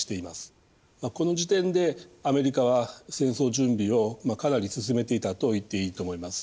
この時点でアメリカは戦争準備をかなり進めていたと言っていいと思います。